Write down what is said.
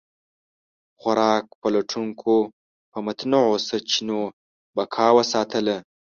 خوراک پلټونکو په متنوع سرچینو بقا وساتله.